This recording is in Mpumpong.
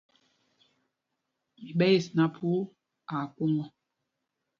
Mi ɓɛ̄ yes nak, phu aa kwoŋ ɔ.